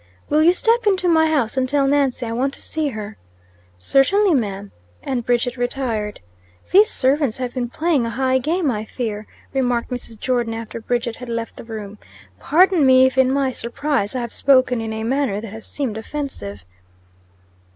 "Will you step into my house and tell Nancy I want to see her?" "Certainly, ma'am." And Bridget retired. "These servants have been playing a high game, I fear," remarked Mrs. Jordon, after Bridget had left the room. "Pardon me, if in my surprise I have spoken in a manner that has seemed offensive."